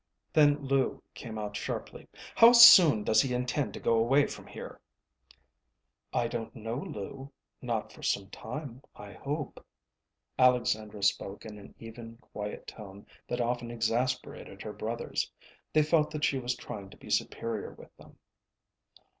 Then Lou came out sharply. "How soon does he intend to go away from here?" "I don't know, Lou. Not for some time, I hope." Alexandra spoke in an even, quiet tone that often exasperated her brothers. They felt that she was trying to be superior with them.